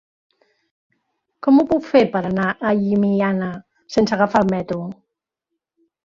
Com ho puc fer per anar a Llimiana sense agafar el metro?